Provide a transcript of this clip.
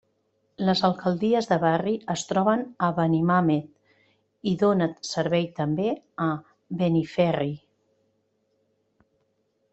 Les alcaldies de barri es troben a Benimàmet, i dóna servei també a Beniferri.